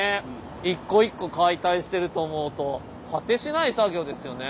一個一個解体してると思うと果てしない作業ですよね。